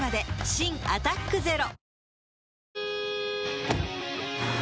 新「アタックＺＥＲＯ」